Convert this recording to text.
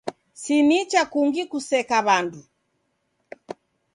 Si nicha kungi kuseka w'andu.